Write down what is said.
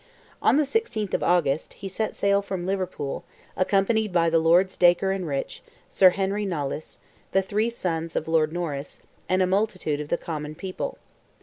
On the 16th of August, he set sail from Liverpool, accompanied by the Lords Dacre and Rich, Sir Henry Knollys, the three sons of Lord Norris, and a multitude of the common people.